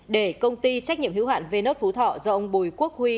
để công ty trách nhiệm hữu hạn về nốt phú thọ do ông bùi quốc huy